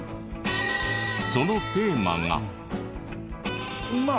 そのテーマが。